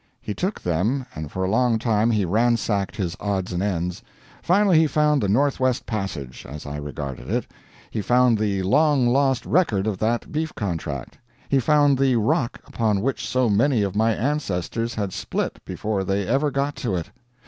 He took them, and for a long time he ransacked his odds and ends. Finally he found the Northwest Passage, as I regarded it he found the long lost record of that beef contract he found the rock upon which so many of my ancestors had split before they ever got to it.